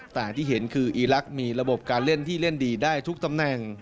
แต่ที่เห็นคืออีลักษณ์มีระบบการเล่นที่เล่นดีได้ทุกตำแหน่ง